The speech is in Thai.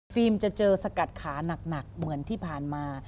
จะเจอสกัดขาหนักเหมือนที่ผ่านมา